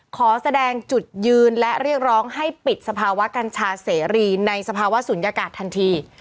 ขอแสดงจุดยืนและเรียกร้องให้ปิดสภาวะกัญชาเสรีในสภาวะศูนยากาศทันที